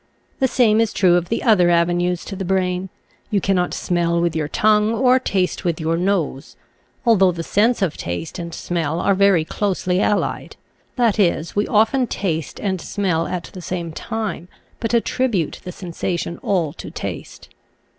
The same is true of the other avenues to the brain; you cannot smell with your tongue or taste with your nose: although the sense of taste and smell are very closely allied; that is, we often taste and smell at the same time, but attribute the sensation all to taste.